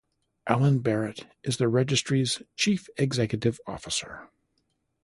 Alan Barrett is the registry's chief executive officer.